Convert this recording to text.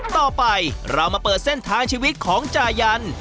ต่อไปเรามาเปิดเส้นทางชีวิตของจ่ายัน